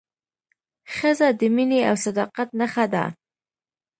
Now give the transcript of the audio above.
ښځه د مینې او صداقت نښه ده.